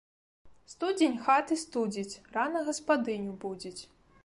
Студзень хаты студзіць, рана гаспадыню будзіць